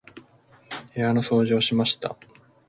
部屋の掃除をしました。